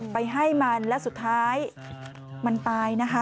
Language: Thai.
ไปให้มันและสุดท้ายมันตายนะคะ